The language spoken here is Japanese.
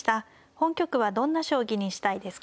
本局はどんな将棋にしたいですか。